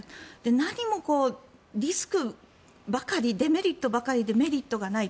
何もリスクばかりデメリットばかりでメリットがない。